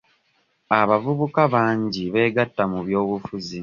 Abavubuka bangi beegatta mu by'obufuzi.